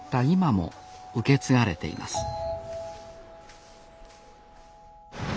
今も受け継がれています